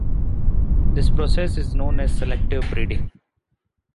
This process is known as selective breeding.